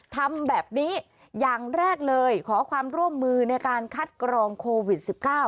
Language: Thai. ทำแบบนี้อย่างแรกเลยขอความร่วมมือในการคัดกรองโควิด๑๙